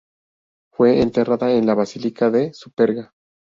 Fue enterrada en la Basílica de Superga.